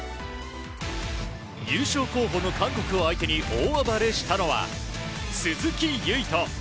優勝候補の韓国を相手に大暴れしたのは鈴木唯人。